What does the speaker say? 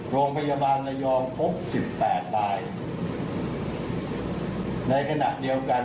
โรงพยาบาลระยองพบสิบแปดรายในขณะเดียวกัน